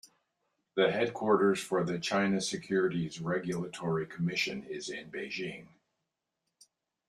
The headquarters for the China Securities Regulatory Commission is in Beijing.